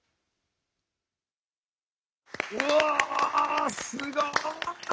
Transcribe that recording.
うわすごい。